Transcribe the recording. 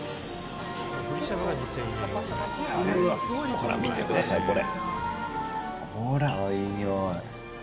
ほら、見てくださいこれ。